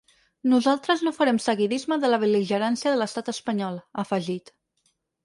Nosaltres no farem seguidisme de la bel·ligerància de l’estat espanyol, ha afegit.